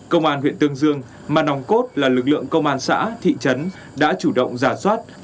công an huyện tương dương mà nòng cốt là lực lượng công an xã thị trấn đã chủ động giả soát